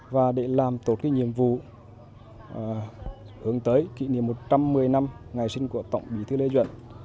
và để làm tốt cái nhiệm vụ hướng tới kỷ niệm một trăm một mươi năm ngày sinh của tổng bí thư lê duẩn